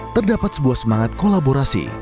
terdapat sebuah semangat kolaborasi